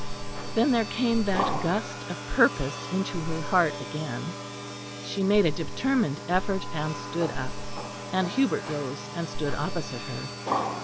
Then there came that gust of purpose into her heart again; she made a determined effort and stood up; and Hubert rose and stood opposite her.